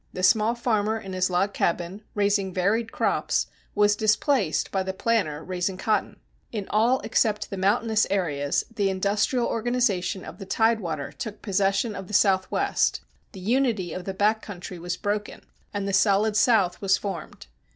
The small farmer in his log cabin, raising varied crops, was displaced by the planter raising cotton. In all except the mountainous areas the industrial organization of the tidewater took possession of the Southwest, the unity of the back country was broken, and the solid South was formed.